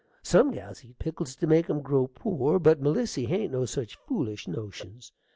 Some gals eat pickles to make 'em grow poor, but Melissy hain't no such foolish notions.